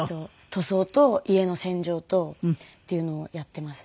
塗装と家の洗浄とっていうのをやっていますね。